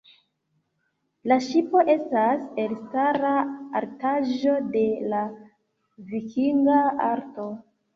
La ŝipo estas elstara artaĵo de la vikinga arto.